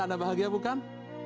anda bahagia bukan